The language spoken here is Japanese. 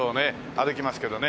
歩きますけどね。